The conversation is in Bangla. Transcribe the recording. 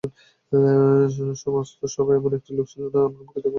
সমস্ত সভায় এমন একটি লোক ছিল না আমার মুখ দেখবার যার একটু অবকাশ ছিল।